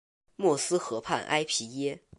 默斯河畔埃皮耶。